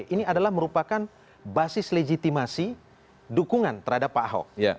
ini adalah merupakan basis legitimasi dukungan terhadap pak ahok